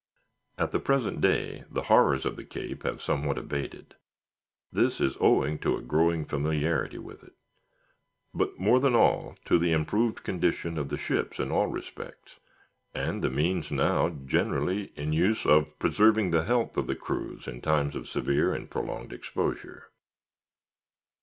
At the present day the horrors of the Cape have somewhat abated. This is owing to a growing familiarity with it; but, more than all, to the improved condition of ships in all respects, and the means now generally in use of preserving the health of the crews in times of severe and prolonged exposure....